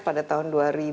pada tahun dua ribu sebelas